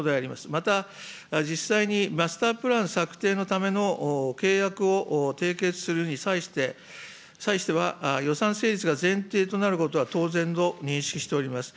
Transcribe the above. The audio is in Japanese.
また実際に、マスタープラン策定のための契約を締結するに際しては、予算成立が前提となることは当然と認識しております。